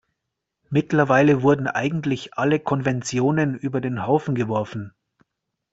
Mittlerweile wurden eigentlich alle Konventionen über den Haufen geworfen.